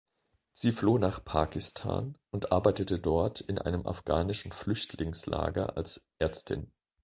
Sie floh nach Pakistan und arbeitete dort in einem afghanischen Flüchtlingslager als Ärztin.